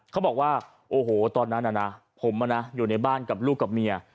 เขาบอกว่าโอ้โหตอนนั้นน่ะนะผมอยู่ในบ้านกับลูกกับเมีย